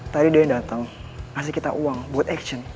tadi dian dateng ngasih kita uang buat action